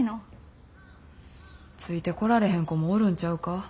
ついてこられへん子もおるんちゃうか？